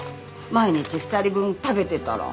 毎日２人分食べてたら。